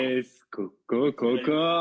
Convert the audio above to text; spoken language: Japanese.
ここここ。